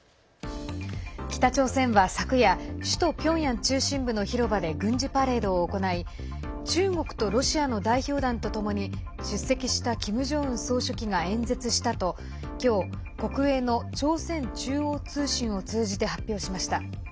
北朝鮮は昨夜首都ピョンヤン中心部の広場で軍事パレードを行い中国とロシアの代表団とともに出席したキム・ジョンウン総書記が演説したと今日、国営の朝鮮中央通信を通じて発表しました。